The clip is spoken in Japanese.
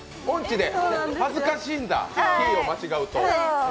恥ずかしいんだ、キーを間違うと。